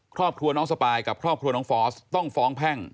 ครอบครัวน้องสปายกับครอบครัวน้องฟอสต้องฟ้องแพ่ง